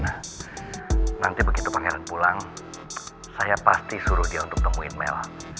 nah nanti begitu pangeran pulang saya pasti suruh dia untuk temuin mela